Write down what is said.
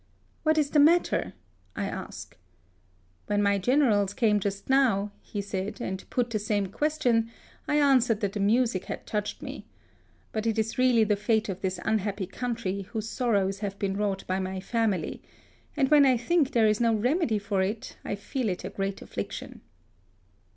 '' What is the matter ?" I ask. " When my generals came just now," he said, " and put the same question, I answered that the music had touched me : but it is really the fate of this unhappy country, whose sorrows have been wrought by my family; and when I think there is no remedy for it, I feel it a great affliction."